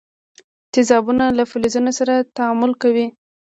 تیزابونه له فلزونو سره تعامل کوي.